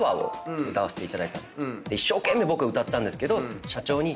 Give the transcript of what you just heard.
一生懸命僕は歌ったんですけど社長に。